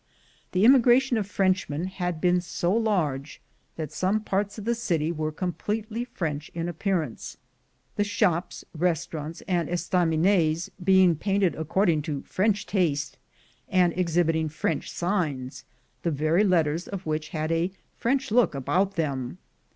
The immigration of Frenchmen had been so large that some parts of the city were completely French in appearance; the shops, restaurants, and estaminets, being painted according to French taste, and exhibit ing French signs, the very letters of which had a French look about them.